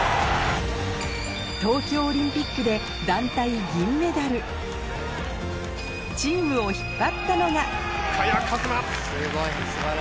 東京オリンピックで団体銀メダルチームを引っ張ったのがヤ！